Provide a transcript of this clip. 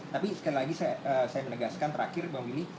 tapi sekali lagi saya menegaskan terakhir bang willy